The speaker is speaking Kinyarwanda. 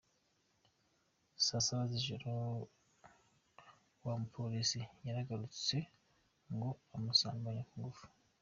Saa saba z’ijoro wa mupolisi yaragarutse ngo amusambanya ku ngufu.